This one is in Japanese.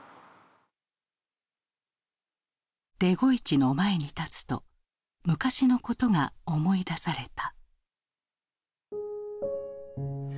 デゴイチの前に立つと昔のことが思い出された。